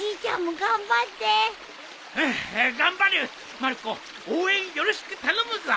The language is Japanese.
まる子応援よろしく頼むぞ。